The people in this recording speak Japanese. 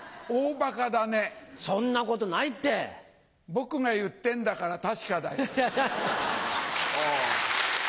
僕が言ってんだから確かだよ。